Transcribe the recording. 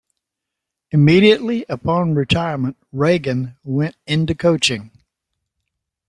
Immediately, upon retirement, Regan went into coaching.